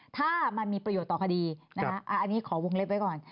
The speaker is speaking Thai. ถ้ามันมีประโยชน์ต่อคดีนะคะอันนี้ขอวงเล็บไว้ก่อน